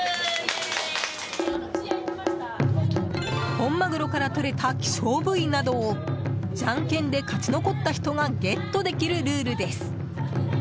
本マグロからとれた希少部位などをじゃんけんで勝ち残った人がゲットできるルールです。